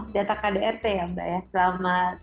data kdrt ya mbak ya selamat